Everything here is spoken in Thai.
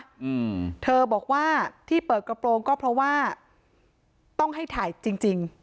อืมเธอบอกว่าที่เปิดกระโปรงก็เพราะว่าต้องให้ถ่ายจริงจริง